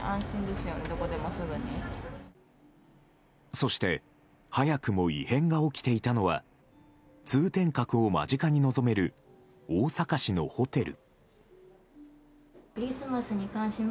そして早くも異変が起きていたのは通天閣を間近に望める大阪市のホテル。